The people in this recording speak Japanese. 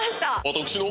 私の？